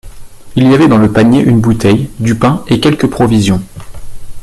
Il y avait dans le panier une bouteille, du pain, et quelques provisions.